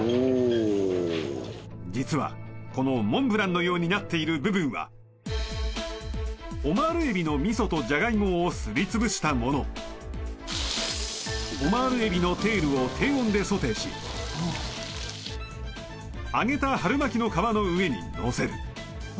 実はこのモンブランのようになっている部分はオマールエビのみそとじゃがいもをすり潰したものオマールエビのテールを低温でソテーし揚げた春巻きの皮の上にのせる